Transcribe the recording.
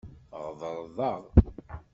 Tɣeḍreḍ-aɣ.